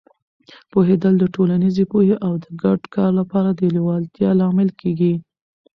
پوهېدل د ټولنیزې پوهې او د ګډ کار لپاره د لیوالتیا لامل کېږي.